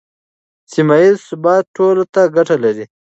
سیمه ییز ثبات ټولو ته ګټه لري.